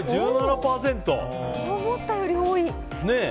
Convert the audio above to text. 思ったより多い。